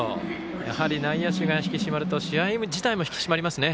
やはり内野手が引き締まると試合自体も引き締まりますね。